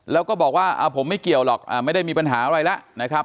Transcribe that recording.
แล้วก็บอกว่าผมไม่เกี่ยวหรอกไม่ได้มีปัญหาอะไรแล้วนะครับ